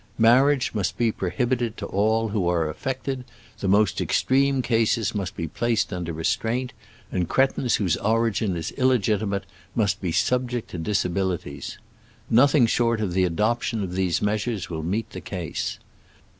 Mar riage must be prohibited to all who are affiected, the most extreme cases must be placed under restraint, and cretins whose origin is illegitimate must be subject to disabilities. Nothing short of the adop tion of these measures will meet the case.